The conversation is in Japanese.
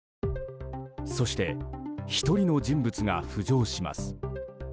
そして、１人の人物が浮上します。